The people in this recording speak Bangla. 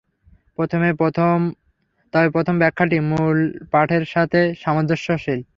তবে প্রথম ব্যাখ্যাটি মূল পাঠের সাথে সামঞ্জস্যশীল।